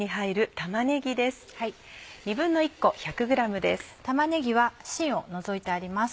玉ねぎはしんを除いてあります。